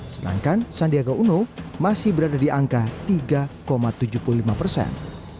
sedangkan sandiaga uno masih berada di angka tiga tujuh puluh lima persen